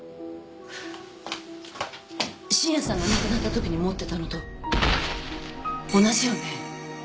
信也さんが亡くなったときに持ってたのと同じよね？